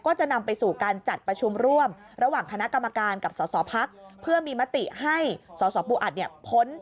ก็จะนำไปสู่การจัดประชุมร่วมระหว่างคณะกรรมการกับสสพักษณ์